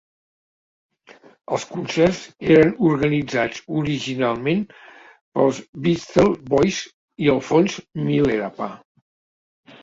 Els concerts eren organitzats originalment pels Beastie Boys i el Fons Milarepa.